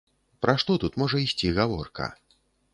Пра што тут можа ісці гаворка?